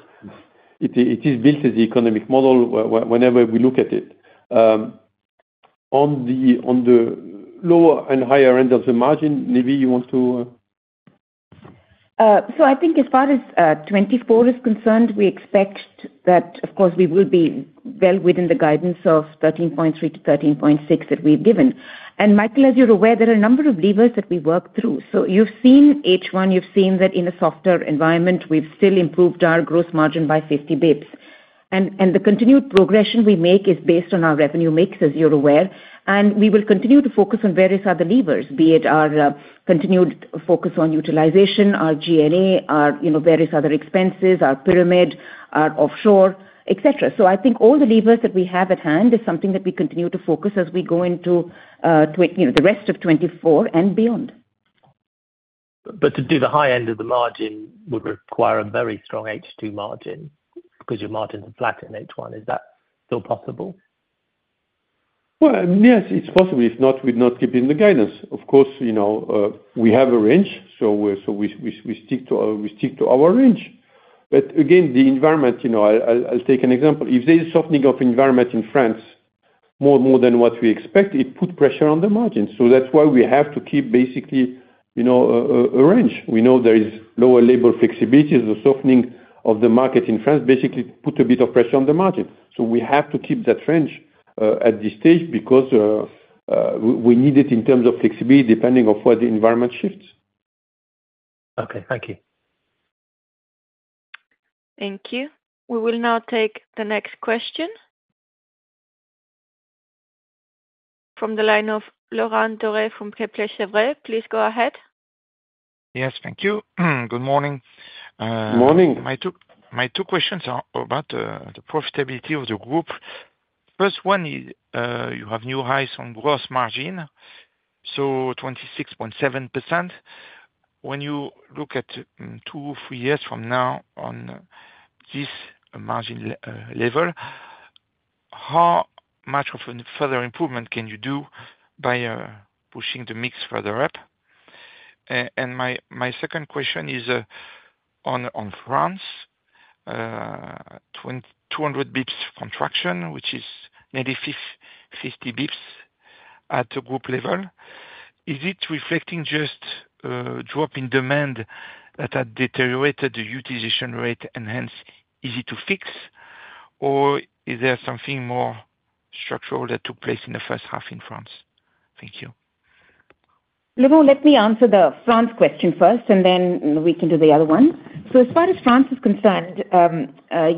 it, it is built as the economic model whenever we look at it. On the lower and higher end of the margin, Nive, you want to? So I think as far as 2024 is concerned, we expect that, of course, we will be well within the guidance of 13.3%-13.6% that we've given. And Michael, as you're aware, there are a number of levers that we work through. So you've seen H1, you've seen that in a softer environment, we've still improved our operating margin by 50 basis points. And the continued progression we make is based on our revenue mix, as you're aware, and we will continue to focus on various other levers, be it our continued focus on utilization, our G&A, our, you know, various other expenses, our pyramid, our offshore, et cetera. So I think all the levers that we have at hand is something that we continue to focus as we go into, you know, the rest of 2024 and beyond. But to do the high end of the margin would require a very strong H2 margin, because your margins are flat in H1. Is that still possible? Well, yes, it's possible, if not, we'd not keep in the guidance. Of course, you know, we have a range, so we stick to our range. But again, the environment, you know, I'll take an example. If there is softening of environment in France, more than what we expect, it put pressure on the margin. So that's why we have to keep basically, you know, a range. We know there is lower labor flexibility, the softening of the market in France basically put a bit of pressure on the margin. So we have to keep that range at this stage, because we need it in terms of flexibility, depending on what the environment shifts. Okay. Thank you. Thank you. We will now take the next question. From the line of Laurent Daure from Kepler Cheuvreux. Please go ahead. Yes, thank you. Good morning, Morning. My two questions are about the profitability of the group. First one is, you have new highs on gross margin, so 26.7%. When you look at 2-3 years from now on this margin level, how much of an further improvement can you do by pushing the mix further up? And my second question is on France. 200 basis points contraction, which is nearly 50 basis points at the group level. Is it reflecting just drop in demand that had deteriorated the utilization rate and hence easy to fix? Or is there something more structural that took place in the first half in France? Thank you. Laurent, let me answer the France question first, and then we can do the other one. So as far as France is concerned,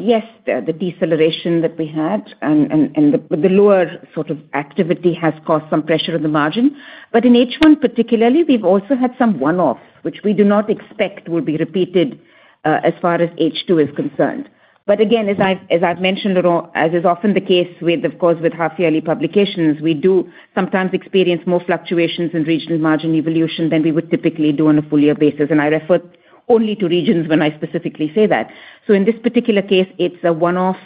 yes, the deceleration that we had and the lower sort of activity has caused some pressure on the margin. But in H1 particularly, we've also had some one-offs, which we do not expect will be repeated, as far as H2 is concerned. But again, as I've mentioned, Laurent, as is often the case with, of course, with half-yearly publications, we do sometimes experience more fluctuations in regional margin evolution than we would typically do on a full year basis. And I refer only to regions when I specifically say that. So in this particular case, it's a one-off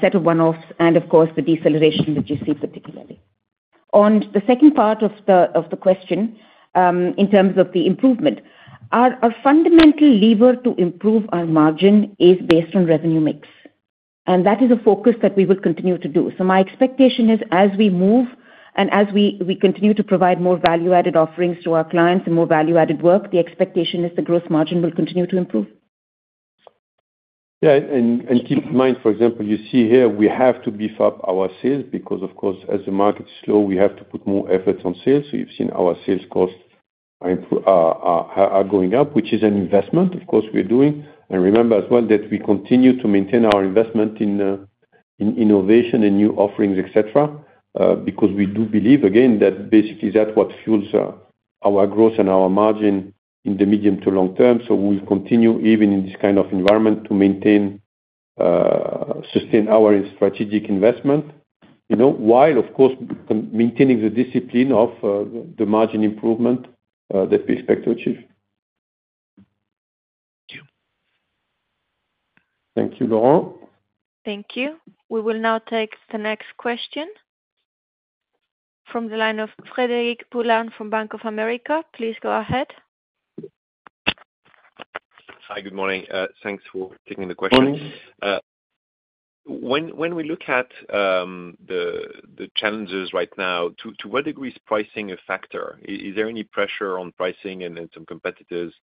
set of one-offs, and of course, the deceleration that you see particularly. On the second part of the question, in terms of the improvement, our fundamental lever to improve our margin is based on revenue mix, and that is a focus that we will continue to do. My expectation is, as we move and as we continue to provide more value-added offerings to our clients and more value-added work, the expectation is the growth margin will continue to improve. Yeah, keep in mind, for example, you see here, we have to beef up our sales because, of course, as the market is slow, we have to put more efforts on sales. So you've seen our sales costs are going up, which is an investment, of course, we're doing. And remember as well, that we continue to maintain our investment in in innovation and new offerings, et cetera, because we do believe, again, that basically that's what fuels our growth and our margin in the medium to long term. So we'll continue, even in this kind of environment, to maintain sustain our strategic investment, you know, while of course maintaining the discipline of the margin improvement that we expect to achieve. Thank you. Thank you, Laurent. Thank you. We will now take the next question from the line of Frederic Boulan from Bank of America. Please go ahead. Hi, good morning. Thanks for taking the question. Morning. When, when we look at the, the challenges right now, to, to what degree is pricing a factor? Is there any pressure on pricing and then some competitors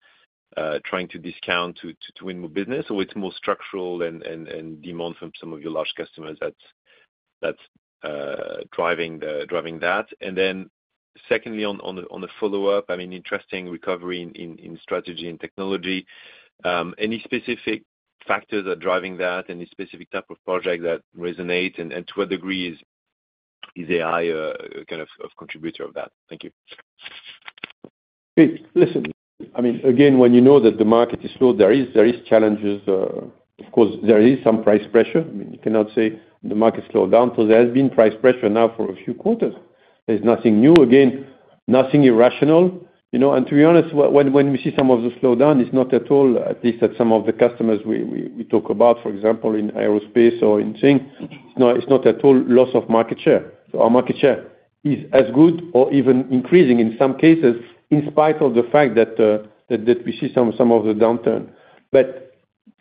trying to discount to, to, to win more business, or it's more structural and, and, and demand from some of your large customers that's, that's driving the, driving that? And then, secondly, on, on the, on the follow-up, I mean, interesting recovery in, in, in strategy and technology. Any specific factors that are driving that? Any specific type of project that resonates? And, and to what degree is, is AI kind of, of contributor of that? Thank you. Hey, listen, I mean, again, when you know that the market is slow, there is challenges. Of course, there is some price pressure. I mean, you cannot say the market is slowed down, so there has been price pressure now for a few quarters. There's nothing new, again, nothing irrational, you know, and to be honest, when we see some of the slowdown, it's not at all, at least at some of the customers we talk about, for example, in aerospace or in thing, it's not at all loss of market share. So our market share is as good or even increasing in some cases, in spite of the fact that we see some of the downturn. But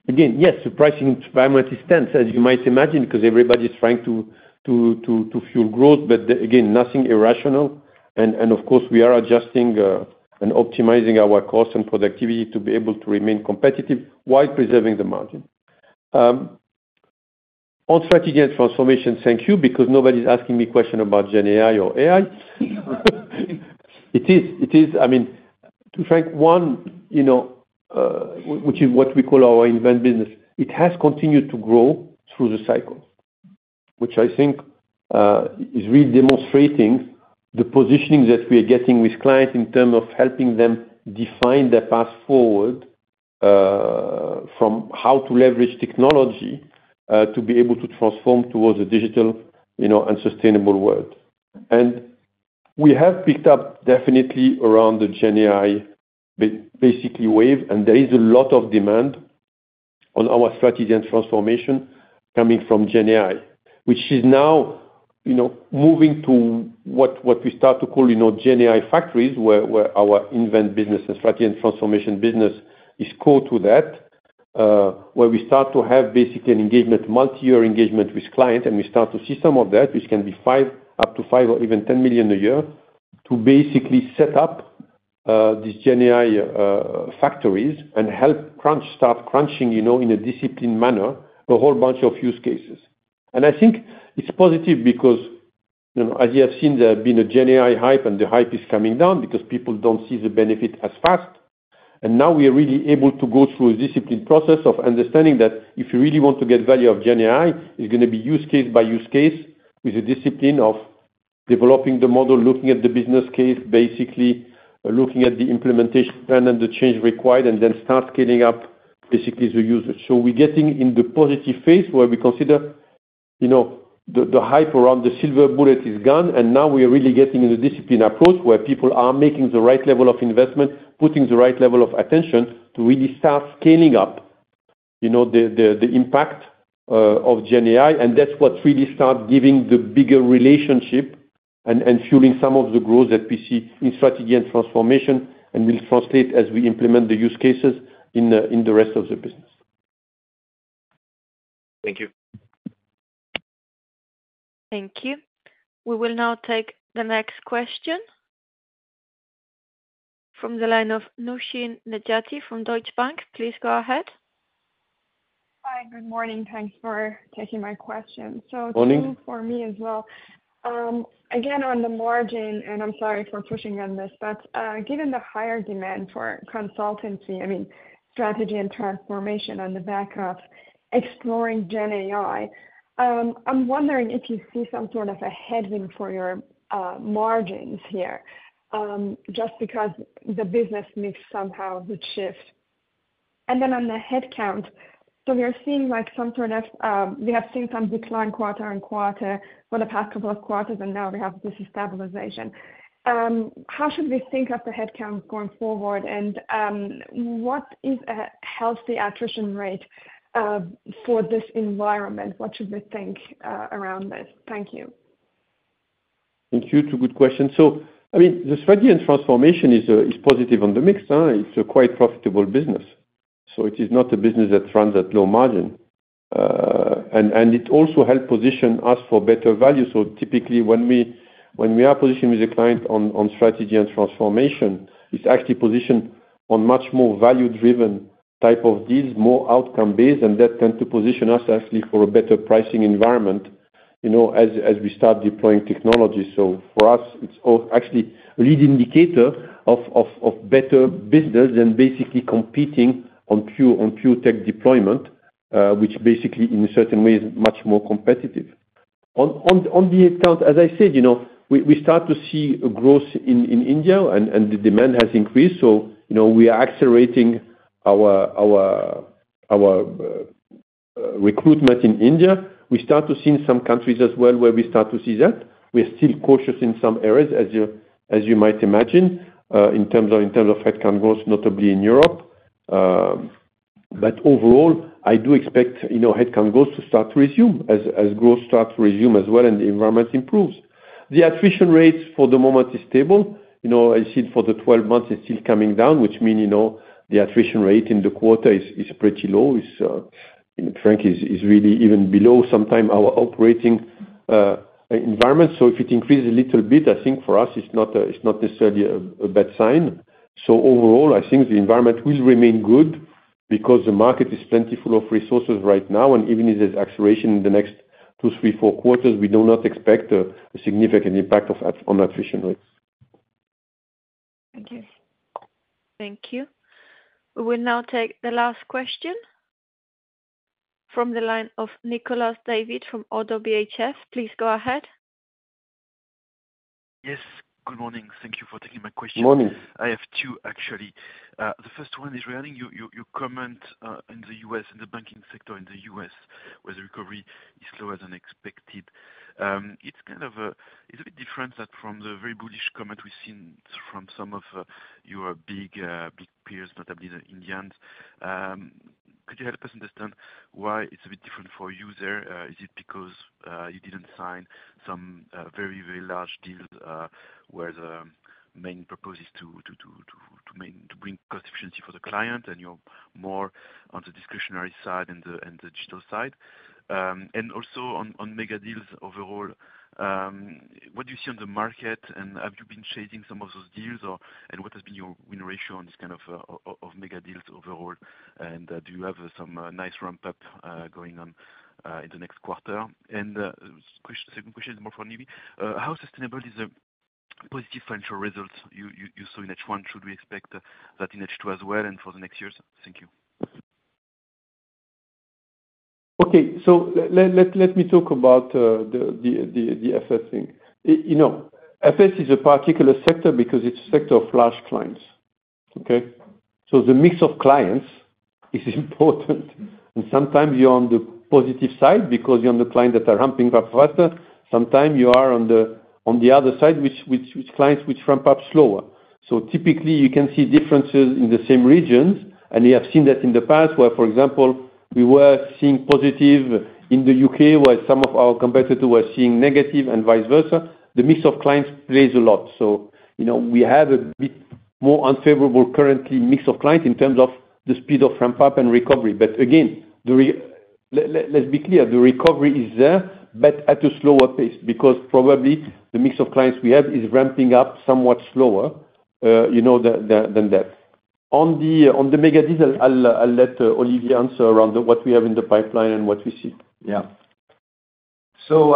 again, yes, the pricing environment is tense, as you might imagine, 'cause everybody's trying to fuel growth, but again, nothing irrational. And of course, we are adjusting and optimizing our cost and productivity to be able to remain competitive while preserving the margin. On strategy and transformation, thank you, because nobody's asking me question about GenAI or AI. It is, I mean, to be frank, you know, which is what we call our Invent business, it has continued to grow through the cycles. Which I think is really demonstrating the positioning that we are getting with clients in terms of helping them define their path forward, from how to leverage technology to be able to transform towards a digital, you know, and sustainable world. And we have picked up definitely around the GenAI basically wave, and there is a lot of demand on our strategy and transformation coming from GenAI, which is now, you know, moving to what we start to call, you know, GenAI factories, where our Invent business and strategy and transformation business is core to that. Where we start to have basically an engagement, multi-year engagement with client, and we start to see some of that, which can be up to 5 or even 10 million a year, to basically set up these GenAI factories and help crunch start crunching, you know, in a disciplined manner, a whole bunch of use cases. And I think it's positive because, you know, as you have seen, there have been a GenAI hype, and the hype is coming down because people don't see the benefit as fast. And now we are really able to go through a disciplined process of understanding that if you really want to get value of GenAI, it's gonna be use case by use case, with the discipline of developing the model, looking at the business case, basically looking at the implementation plan and the change required, and then start scaling up basically the usage. So we're getting in the positive phase, where we consider, you know, the, the hype around the silver bullet is gone, and now we are really getting in the disciplined approach, where people are making the right level of investment, putting the right level of attention to really start scaling up, you know, the, the, the impact of GenAI. That's what really start giving the bigger relationship and, and fueling some of the growth that we see in strategy and transformation, and will translate as we implement the use cases in the, in the rest of the business. Thank you. Thank you. We will now take the next question from the line of Nooshin Nejati from Deutsche Bank. Please go ahead. Hi, good morning. Thanks for taking my question. Morning. So two for me as well. Again, on the margin, and I'm sorry for pushing on this, but, given the higher demand for consultancy, I mean, strategy and transformation on the back of exploring GenAI, I'm wondering if you see some sort of a headwind for your margins here, just because the business mix somehow would shift. And then on the headcount, so we are seeing, like, some sort of... We have seen some decline quarter-on-quarter for the past couple of quarters, and now we have this stabilization. How should we think of the headcount going forward, and what is a healthy attrition rate for this environment? What should we think around this? Thank you. Thank you. Two good questions. So, I mean, the strategy and transformation is, is positive on the mix, it's a quite profitable business, so it is not a business that runs at low margin. And it also help position us for better value. So typically, when we are positioned with a client on strategy and transformation, it's actually positioned on much more value-driven type of deals, more outcome-based, and that tend to position us actually for a better pricing environment, you know, as we start deploying technology. So for us, it's all actually a lead indicator of better business than basically competing on pure tech deployment, which basically, in a certain way, is much more competitive. On the account, as I said, you know, we, we start to see a growth in, in India, and, and the demand has increased, so, you know, we are accelerating our, our, our, recruitment in India. We start to see in some countries as well, where we start to see that. We're still cautious in some areas, as you, as you might imagine, in terms of, in terms of headcount growth, notably in Europe. But overall, I do expect, you know, headcount growth to start to resume as, as growth starts to resume as well, and the environment improves. The attrition rates for the moment is stable. You know, I see it for the 12 months, it's still coming down, which mean, you know, the attrition rate in the quarter is, is pretty low. It's in fact really even below sometimes our operating environment. So if it increases a little bit, I think for us it's not it's not necessarily a bad sign. So overall, I think the environment will remain good because the market is plenty full of resources right now, and even if there's acceleration in the next two, three, four quarters, we do not expect a significant impact of that on attrition rates. Thank you. Thank you. We will now take the last question from the line of Nicolas David from ODDO BHF. Please go ahead. Yes, good morning. Thank you for taking my question. Morning. I have two, actually. The first one is regarding your comment in the U.S., in the banking sector in the U.S., where the recovery is slower than expected. It's kind of—it's a bit different from the very bullish comment we've seen from some of your big peers, notably the Indians. Could you help us understand why it's a bit different for you there? Is it because you didn't sign some very large deals, where the main purpose is to bring cost efficiency for the client, and you're more on the discretionary side and the digital side? And also on mega deals overall, what do you see on the market, and have you been chasing some of those deals, or... What has been your win ratio on this kind of mega deals overall, and do you have some nice ramp up going on in the next quarter? And second question is more for Nive. How sustainable is the positive financial results you saw in H1? Should we expect that in H2 as well, and for the next years? Thank you. Okay. So let me talk about the FS thing. You know, FS is a particular sector because it's a sector of large clients, okay? So the mix of clients is important, and sometimes you're on the positive side because you're on the client that are ramping up faster. Sometime you are on the other side, which clients which ramp up slower. So typically, you can see differences in the same regions, and you have seen that in the past, where, for example, we were seeing positive in the UK, while some of our competitors were seeing negative, and vice versa. The mix of clients plays a lot. So, you know, we have a bit more unfavorable currently mix of clients in terms of the speed of ramp-up and recovery. But again, the re-... Let's be clear, the recovery is there, but at a slower pace, because probably the mix of clients we have is ramping up somewhat slower, you know, than that. On the mega deals, I'll let Olivier answer around what we have in the pipeline and what we see. Yeah. So,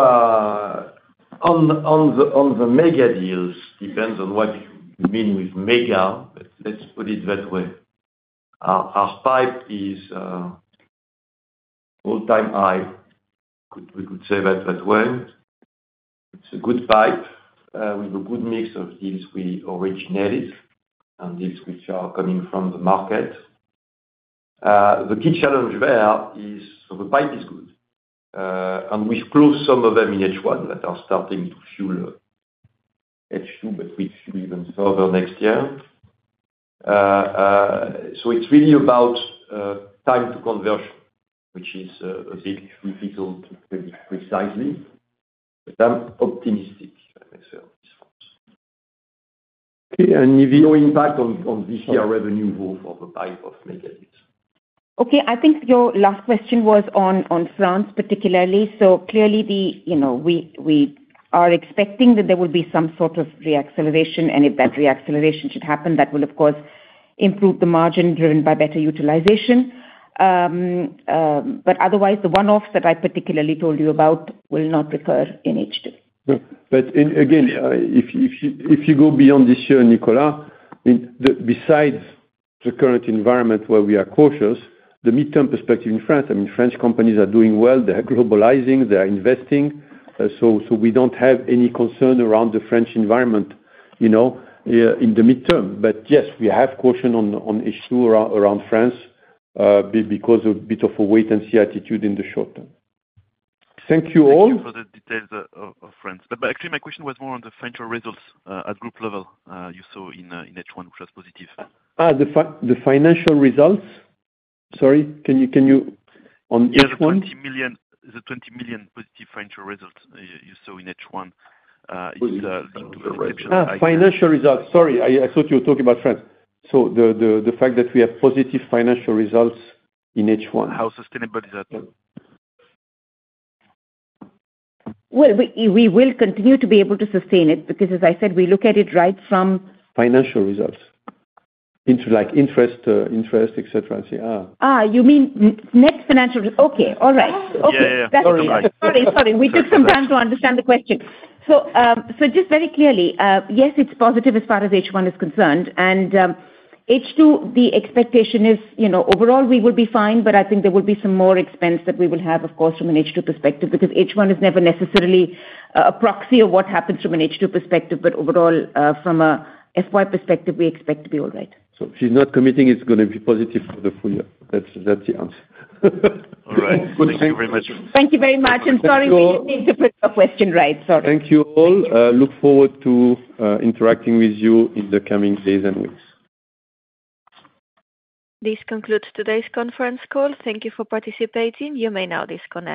on the mega deals, depends on what you mean with mega, but let's put it that way. Our pipe is all-time high. We could say that that way. It's a good pipe with a good mix of deals we originated and deals which are coming from the market. The key challenge there is, so the pipe is good, and we've closed some of them in H1 that are starting to fuel H2, but we fuel even further next year. So it's really about time to conversion, which is a bit difficult to predict precisely, but I'm optimistic, I may say, of course. Okay, and if you- No impact on this year revenue growth of a pipeline of mega deals. Okay, I think your last question was on France, particularly. So clearly the... You know, we are expecting that there will be some sort of re-acceleration, and if that re-acceleration should happen, that will, of course, improve the margin driven by better utilization. But otherwise, the one-offs that I particularly told you about will not recur in H2. But in, again, if you go beyond this year, Nicolas, besides the current environment where we are cautious, the midterm perspective in France, I mean, French companies are doing well, they are globalizing, they are investing. So we don't have any concern around the French environment, you know, in the midterm. But yes, we have caution on issue around France, because of a bit of a wait and see attitude in the short term. Thank you all. Thank you for the details of France. But actually my question was more on the financial results at group level you saw in H1, which was positive. Ah, the financial results? Sorry, can you... On H1? Yeah, the 20 million, the 20 million positive financial results you saw in H1, it's into the reception. Ah, financial results! Sorry, I thought you were talking about France. So the fact that we have positive financial results in H1. How sustainable is that? Well, we will continue to be able to sustain it, because as I said, we look at it right from- Financial results, into like interest, interest, et cetera, and say. Ah, you mean net financial... Okay, all right. Yeah, yeah. Okay. Sorry about that. Sorry, sorry. We took some time to understand the question. So, so just very clearly, yes, it's positive as far as H1 is concerned, and H2, the expectation is, you know, overall we will be fine, but I think there will be some more expense that we will have, of course, from an H2 perspective, because H1 is never necessarily a proxy of what happens from an H2 perspective. But overall, from a FY perspective, we expect to be all right. She's not committing, it's gonna be positive for the full year. That's, that's the answer. All right. Thank you very much. Thank you very much. I'm sorry we didn't need to put the question right. Sorry. Thank you all. Look forward to interacting with you in the coming days and weeks. This concludes today's conference call. Thank you for participating. You may now disconnect.